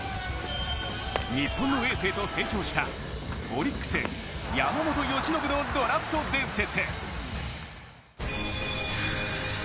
日本のエースへと成長したオリックス・山本由伸のドラフト伝説。